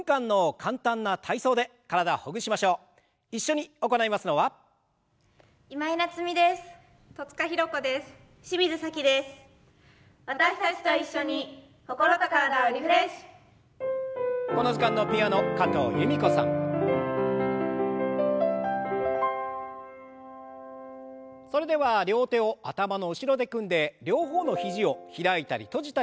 それでは両手を頭の後ろで組んで両方の肘を開いたり閉じたり動かします。